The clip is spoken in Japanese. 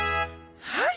はい。